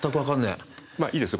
まあいいです